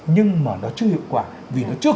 nhưng mà nó chưa hiệu quả vì nó chưa